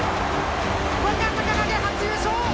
若隆景初優勝！